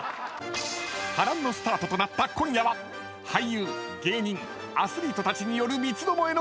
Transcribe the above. ［波乱のスタートとなった今夜は俳優芸人アスリートたちによる］